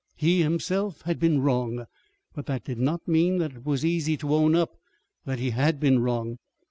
He himself had been wrong. But that did not mean that it was easy to own up that he had been wrong.